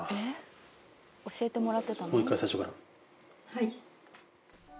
はい。